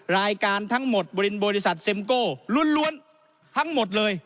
รายการทั้งหมดบริเวณบริษัทเซ็มโก้ล้วนทั้งหมดเลย